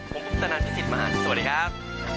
ผมคุปตนันพี่สิทธิ์มหันฯสวัสดีครับ